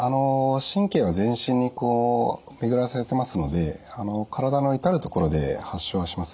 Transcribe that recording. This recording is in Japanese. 神経は全身に巡らされてますので体の至る所で発症します。